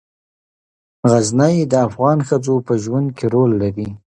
غزني د افغان ښځو په ژوند کې رول لري.